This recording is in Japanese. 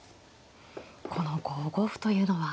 この５五歩というのは。